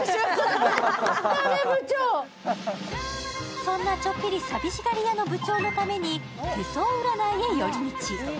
そんなちょっぴり寂しがりやの部長のために、手相占いへ寄り道。